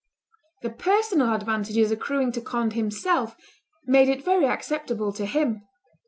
The personal advantages accruing to Conde himself made it very acceptable to him.